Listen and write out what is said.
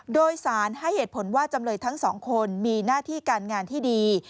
โดยสารให้เหตุผลว่าจำเลยทั้งสองคนมีหน้าที่การงานที่ดี